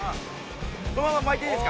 このまま巻いていいですか？